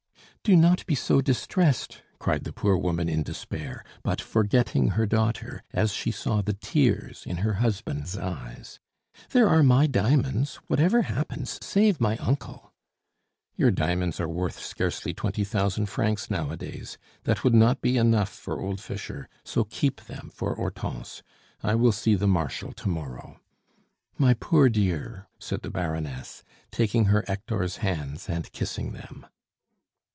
"Do not be so distressed," cried the poor woman in despair, but forgetting her daughter as she saw the tears in her husband's eyes. "There are my diamonds; whatever happens, save my uncle." "Your diamonds are worth scarcely twenty thousand francs nowadays. That would not be enough for old Fischer, so keep them for Hortense; I will see the Marshal to morrow." "My poor dear!" said the Baroness, taking her Hector's hands and kissing them.